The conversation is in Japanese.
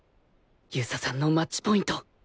遊佐さんのマッチポイント